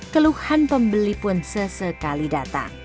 keluhan pembeli pun sesekali datang